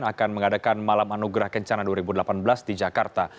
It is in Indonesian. akan mengadakan malam anugerah kencana dua ribu delapan belas di jakarta